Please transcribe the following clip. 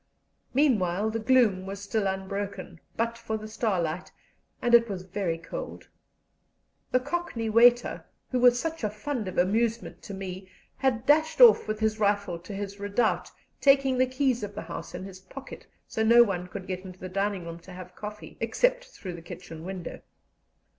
Meanwhile the gloom was still unbroken, but for the starlight, and it was very cold. The Cockney waiter, who was such a fund of amusement to me, had dashed off with his rifle to his redoubt, taking the keys of the house in his pocket, so no one could get into the dining room to have coffee, except through the kitchen window.